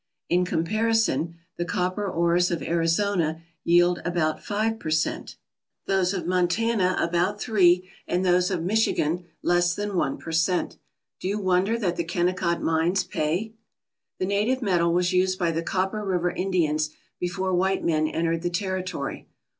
In comparison, the copper ores of Arizona yield about five per cent., those of Montana 289 ALASKA OUR NORTHERN WONDERLAND about three, and those of Michigan less than one per cent. Do you wonder that the Kennecott mines pay? The native metal was used by the Copper River Indians before white men entered the territory.